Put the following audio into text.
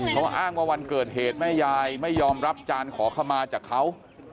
เขาอ้างว่าวันเกิดเหตุแม่ยายไม่ยอมรับจานขอขมาจากเขา